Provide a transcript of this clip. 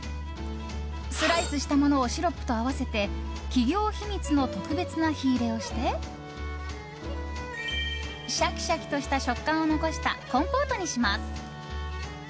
スライスしたものをシロップと合わせて企業秘密の特別な火入れをしてシャキシャキとした食感を残したコンポートにします。